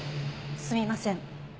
すみません。